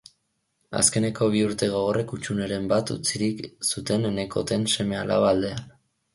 Azkeneko bi urte gogorrek hutsuneren bat utzirik zuten Enekoten seme-alaba aldean.